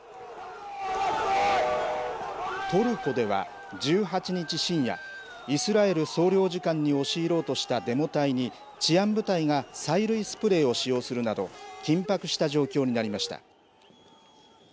トルコでは１８日深夜、イスラエル総領事館に押し入ろうとしたデモ隊に、治安部隊が催涙スプレーを使用するなど、緊迫した状況になりました。